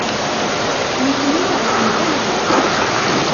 Nitni ɣsen talwit.